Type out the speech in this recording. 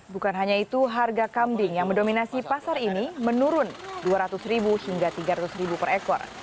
bukan hanya itu harga kambing yang mendominasi pasar ini menurun dua ratus ribu hingga tiga ratus per ekor